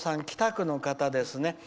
北区の方ですね。